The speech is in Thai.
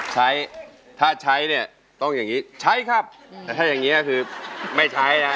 ใช้ถ้าใช้เนี่ยต้องอย่างนี้ใช้ครับแต่ถ้าอย่างนี้ก็คือไม่ใช้นะฮะ